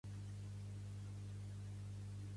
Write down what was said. Pertany al moviment independentista la Casandra?